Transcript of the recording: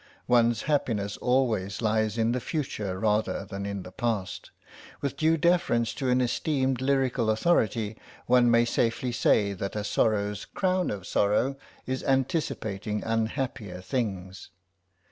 One's happiness always lies in the future rather than in the past. With due deference to an esteemed lyrical authority one may safely say that a sorrow's crown of sorrow is anticipating unhappier things.